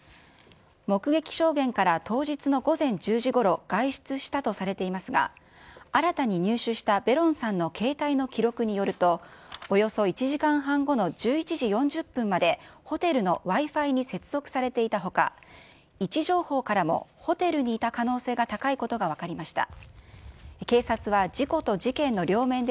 目撃証言から、当日の午前１０時ごろ、外出したとされていますが、新たに入手したベロンさんの携帯の記録によると、およそ１時間半後の１１時４０分まで、ホテルのＷｉ−Ｆｉに接続されていたほか、位置情報からもホテルにいた可能性が高いことが分かりました。